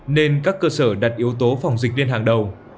nên các cơ sở đặt yếu tố phòng dịch lên hàng đầu